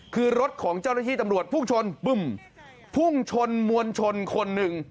คือรถของเจ้าหน้าที่ตำรวจพุ่งชนปึ้มพุ่งชนมวลชนคนหนึ่ง